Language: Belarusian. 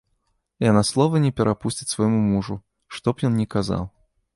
Яна слова не перапусціць свайму мужу, што б ён ні казаў.